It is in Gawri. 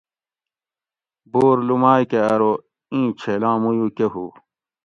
بور لومائ کہ ارو ایں چھیلاں مویو کہۤ ہوُ